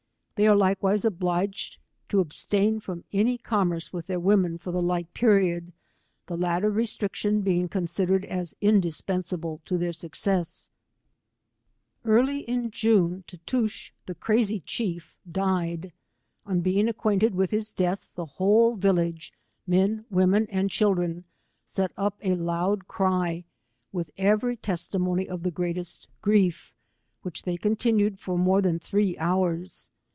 They are likewise obliged to abstain from any com merce with their women for the like period, the latter restriction being considered as indispensible to their success. Early in June Tootoosch, the crazj chief, died. On being acquainted with his death the whole village, men, women and children, set up a loud cry, with every testimony of the greatest grief, which they continued for more than three hours.